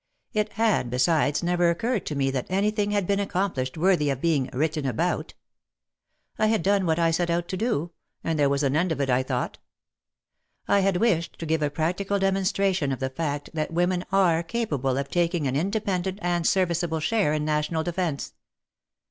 It had, besides, never occurred to me that anything had been accomplished worthy of being "written about." I had done what I set out to do, and there was an end of it I thought. I had wished to give a practical demonstration of the fact that women are capable of taking an independent and serviceable share in National Defence.